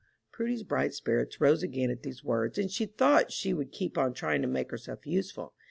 Prudy's bright spirits rose again at these words, and she thought she would keep on trying to make herself useful.